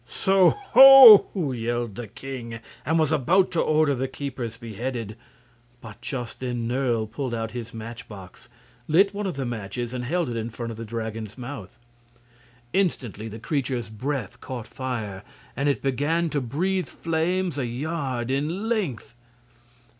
"So ho!" yelled the king, and was about to order the keepers beheaded; but just then Nerle pulled out his match box, lit one of the matches, and held it in front of the Dragon's mouth. Instantly the creature's breath caught fire; and it began to breathe flames a yard in length.